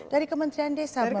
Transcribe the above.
dari kementerian desa membantu kita